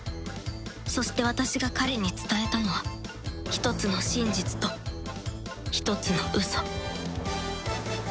そして私が彼に伝えたのは１つの真実と１つのウソ